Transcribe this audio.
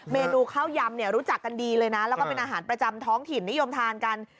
เมนูข้าวยำเนี่ยรู้จักกันดีเลยนะแล้วก็เป็นอาหารประจำท้องถิ่นนิยมทานกัน